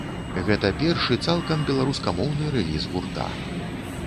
Гэта першы цалкам беларускамоўны рэліз гурта.